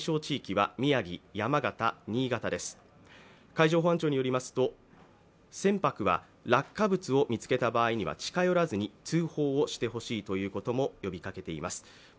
海上保安庁によりますと、船舶は落下物を見つけた場合には近寄らずに通報をしてほしいということも呼びかけています。